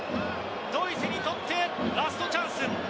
ドイツにとってラストチャンス。